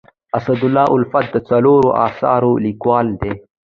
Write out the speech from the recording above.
اسدالله الفت د څلورو اثارو لیکوال دی.